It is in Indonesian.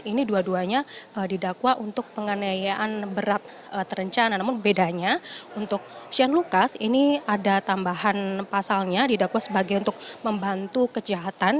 ini dua duanya didakwa untuk penganiayaan berat terencana namun bedanya untuk shane lucas ini ada tambahan pasalnya didakwa sebagai untuk membantu kejahatan